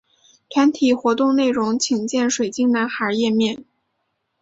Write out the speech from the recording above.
团体活动内容请见水晶男孩页面。